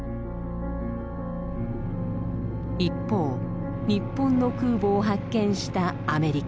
一方日本の空母を発見したアメリカ。